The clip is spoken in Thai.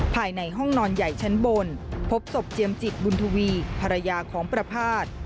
ภายในห้องนอนใหญ่ชั้นบนพบศพเจียมจิตบุญทวีภรรยาของประภาษณ์